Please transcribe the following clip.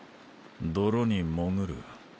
泥に潜る。